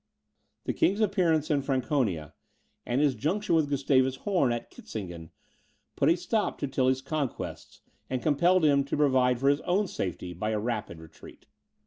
The king's appearance in Franconia, and his junction with Gustavus Horn at Kitzingen, put a stop to Tilly's conquests, and compelled him to provide for his own safety by a rapid retreat.